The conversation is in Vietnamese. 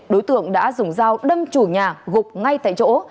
đối tượng đã dùng dao đâm chủ nhà gục ngay tại chỗ